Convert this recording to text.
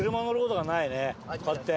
こうやって。